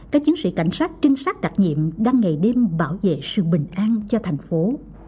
các chiến sĩ cảnh sát trinh sát đặc nhiệm đang ngày đêm bảo vệ sự bình an cho thành phố